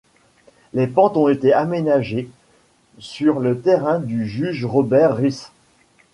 Les pentes ont été aménagées sur le terrain du juge Robert Rice.